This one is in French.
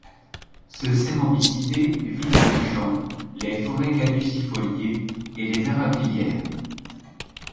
Ce Cérambycidé vit dans les champs, les forêts caducifoliés et les érablières.